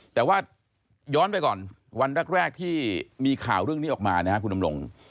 แต่ว่าย้อนไปก่อนวันแรกที่มีข่าวเรื่องนี้ออกมานะครับคุณดำรง